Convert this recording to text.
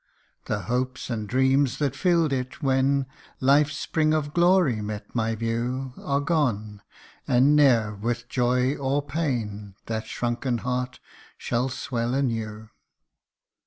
The hopes and dreams that filled it when Life's spring of glory met my view, Are gone ! and ne'er with joy or pain That shrunken heart shall swell anew.